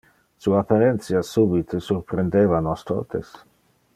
Su apparentia subite surprendeva nos totes.